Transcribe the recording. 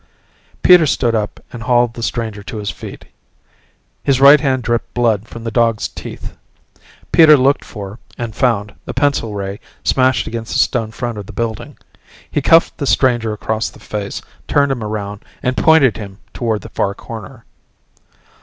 Peter stood up and hauled the stranger to his feet. His right hand dripped blood from the dog's teeth. Peter looked for, and found the pencil ray smashed against the stone front of the building. He cuffed the stranger across the face, turned him around, and pointed him toward the far corner.